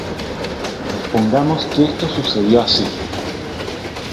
Pongamos que esto sucedió así.